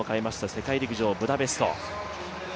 世界陸上ブダペスト。